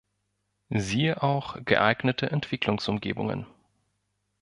Siehe auch "geeignete Entwicklungsumgebungen".